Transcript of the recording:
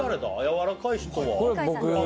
やわらかい人は？